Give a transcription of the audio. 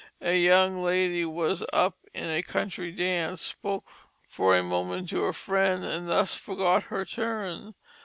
A young lady who was up in a country dance spoke for a moment to a friend and thus forgot her turn.